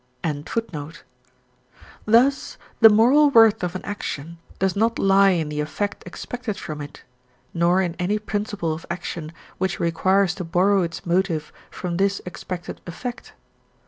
Thus the moral worth of an action does not lie in the effect expected from it, nor in any principle of action which requires to borrow its motive from this expected effect.